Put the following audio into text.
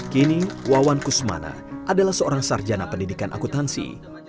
kini wawan kusmana adalah seorang sarjana pendidikan akutansi